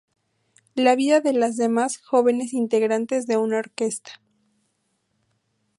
La vida de las jóvenes integrantes de una orquesta.